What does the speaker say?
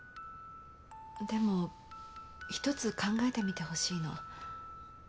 でも一つ考えてみてほしいの。